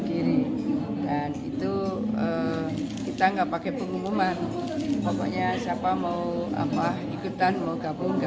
diri dan itu kita enggak pakai pengumuman pokoknya siapa mau apa ikutan mau gabung ke